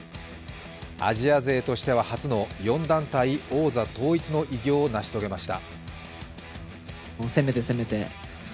アジア勢としては初の４団体王座統一の偉業を成し遂げました。